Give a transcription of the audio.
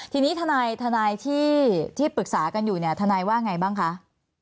ทีนี้ทนายที่ปรึกษากันอยู่เนี่ยทนายว่าไงบ้างคะ